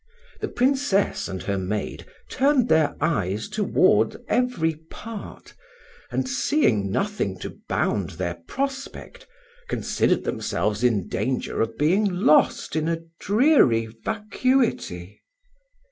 The Princess and her maid turned their eyes toward every part, and seeing nothing to bound their prospect, considered themselves in danger of being lost in a dreary vacuity.